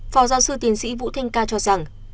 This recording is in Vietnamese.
phó giáo sư tiến sĩ vũ thanh ca cho rằng